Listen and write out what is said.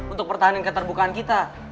untuk pertahanan keterbukaan kita